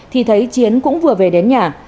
thì thấy chiến cũng vừa về đến nhà